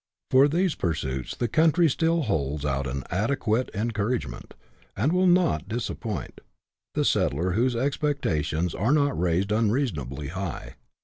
For these pursuits the country still holds out an adequate encou ragement, and will not disappoint the settler whose expectations are not raised unreasonably high.